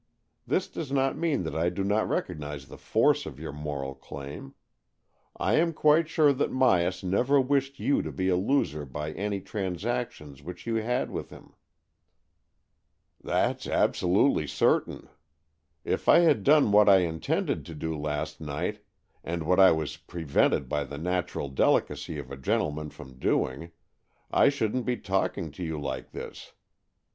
This does not mean that I do not recognize the force of your moral claim. I am quite sure that Myas never wished you to be a loser by any trans actions which you had with him." 120 AN EXCHANGE OF SOULS " That's absolutely certain. If I had done what I intended to do last night, and what I was prevented by the natural delicacy of a gentleman from doing, I shouldn't be tslk ing to you like this.